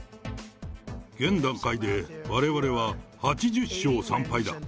現段階でわれわれは８０勝３敗だ。